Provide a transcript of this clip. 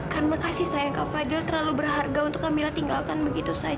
kan memberi sayang kak fadil terlalu berharga untuk kak mila tinggalkan begitu saja kak